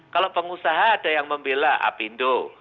kalau pengusaha ada yang membela apindo